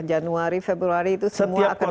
januari februari itu semua akan